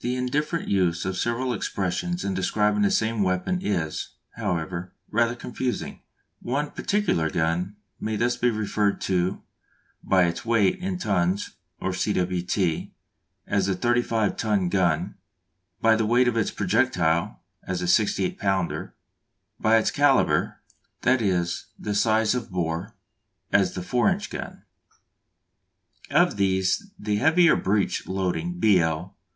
The indifferent use of several expressions in describing the same weapon is, however, rather confusing. One particular gun may be thus referred to: by its weight in tons or cwt., as "the 35 ton gun"; by the weight of its projectile, as "a 68 pounder"; by its calibre, that is, size of bore, as "the 4 inch gun." Of these the heavier breech loading (B. L.)